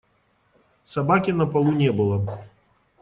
Собаки на полу не было.